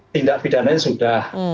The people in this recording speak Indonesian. tindak bidananya sudah